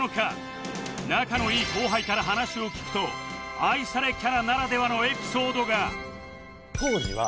仲のいい後輩から話を聞くと愛されキャラならではのエピソードが